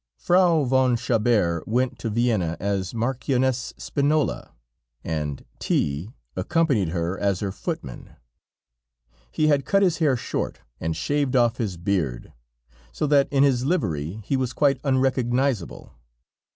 Frau von Chabert went to Vienna as Marchioness Spinola, and T accompanied her as her footman; he had cut his hair short, and shaved off his beard; so that in his livery, he was quite unrecognizable.